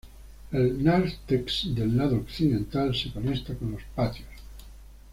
El nártex del lado occidental se conecta con los patios.